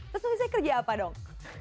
terus nanti saya kerja apa dong